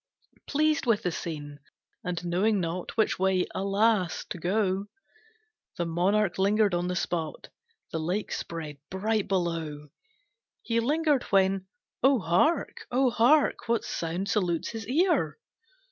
Pleased with the scene, and knowing not Which way, alas! to go, The monarch lingered on the spot, The lake spread bright below. He lingered, when oh hark! oh hark What sound salutes his ear!